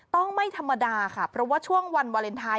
ไม่ธรรมดาค่ะเพราะว่าช่วงวันวาเลนไทย